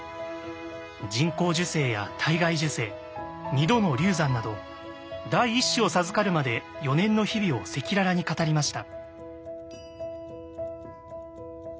人工授精や体外受精２度の流産など第一子を授かるまで４年の日々を赤裸々に語りました。